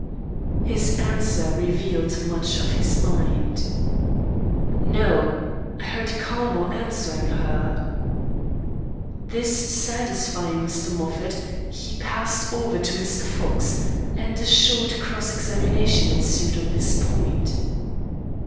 His answer revealed much of his mind. "No, I heard Carmel's answering her." This satisfying Mr. Moffat, he was passed over to Mr. Fox, and a short cross examination ensued on this point.